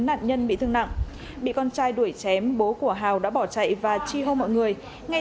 nạn nhân bị thương nặng bị con trai đuổi chém bố của hào đã bỏ chạy và chi hô mọi người ngay